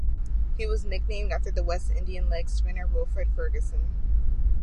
He was nicknamed after the West Indian leg spinner Wilfred Ferguson.